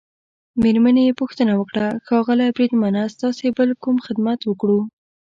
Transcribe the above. مېرمنې يې پوښتنه وکړه: ښاغلی بریدمنه، ستاسي بل کوم خدمت وکړو؟